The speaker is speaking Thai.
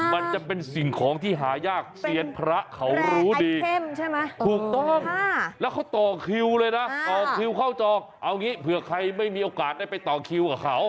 มันจะเป็นสิ่งของที่หายากเซียนพระเขารู้ดีถูกต้องแล้วเขาต่อคิวเลยนะต่อคิวเข้าจอกเอางี้เผื่อใครไม่มีโอกาสได้ไปต่อคิวกับเขา